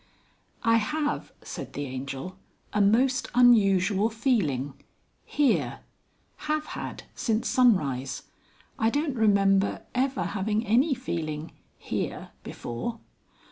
"I have," said the Angel, "a most unusual feeling here. Have had since sunrise. I don't remember ever having any feeling here before."